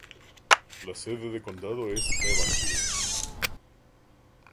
La sede de condado es Evansville.